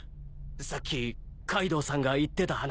さっきカイドウさんが言ってた話。